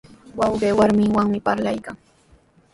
Wawqii warminwanmi parlaykan.